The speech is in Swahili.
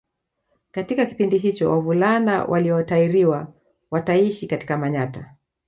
Katika kipindi hicho wavulana waliotahiriwa wataishi katika Manyatta